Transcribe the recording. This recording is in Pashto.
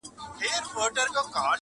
دا د مشکو رباتونه خُتن زما دی!